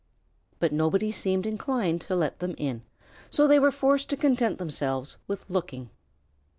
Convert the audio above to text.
But nobody seemed inclined to let them in, so they were forced to content themselves with looking.